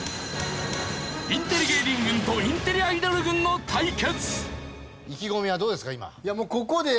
インテリ芸人軍とインテリアイドル軍の対決！